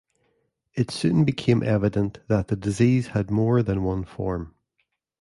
It soon became evident that the disease had more than one form.